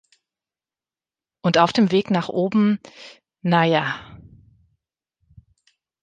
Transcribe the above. Und auf dem Weg nach oben, naja…“".